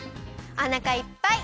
おなかいっぱい！